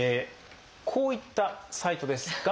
こういったサイトです。